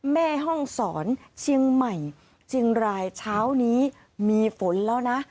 แม่ห้องศรเชียงใหม่เชียงรายเช้านี้มีฝนแล้วนะ